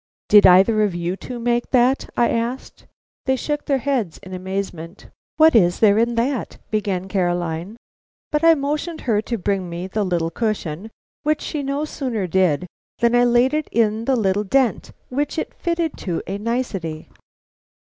"Did either of you two make that?" I asked. They shook their heads in amazement. "What is there in that?" began Caroline; but I motioned her to bring me the little cushion, which she no sooner did than I laid it in the little dent, which it fitted to a nicety.